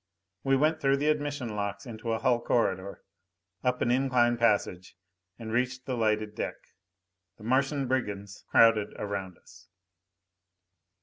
We went through the admission locks into a hull corridor, up an incline passage, and reached the lighted deck. The Martian brigands crowded around us.